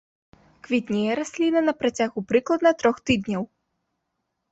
Квітнее расліна на працягу прыкладна трох тыдняў.